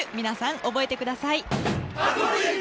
皆さん覚えてください！